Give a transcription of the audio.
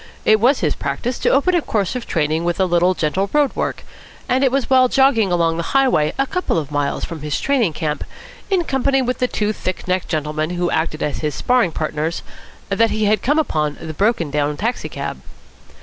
It was his practice to open a course of training with a little gentle road work; and it was while jogging along the highway a couple of miles from his training camp, in company with the two thick necked gentlemen who acted as his sparring partners, that he had come upon the broken down taxi cab.